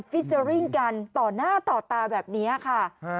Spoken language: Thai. ฟิเจอร์ริ่งกันต่อหน้าต่อตาแบบนี้ค่ะ